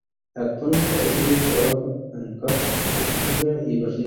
Actualmente reside y trabaja en Karlsruhe y Berlín.